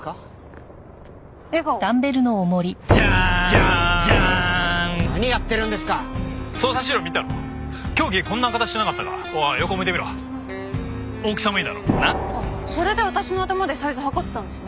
あっそれで私の頭でサイズ測ってたんですね？